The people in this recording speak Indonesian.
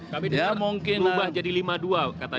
tapi ini kan berubah jadi lima dua katanya